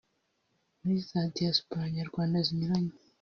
muri za Diaspora nyarwanda zinyuranye